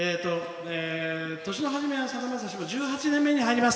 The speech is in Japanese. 年の初めはさだまさしが１８年に入ります。